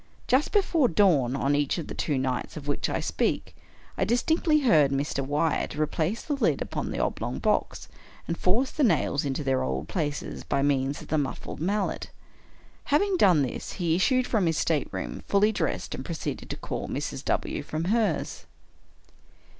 Just before dawn, on each of the two nights of which I speak, I distinctly heard Mr. Wyatt replace the lid upon the oblong box, and force the nails into their old places by means of the muffled mallet. Having done this, he issued from his stateroom, fully dressed, and proceeded to call Mrs. W. from hers.